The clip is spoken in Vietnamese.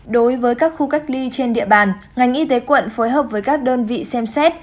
đối với các khu cách ly trên địa bàn ngành y tế quận phối hợp với các đơn vị xem xét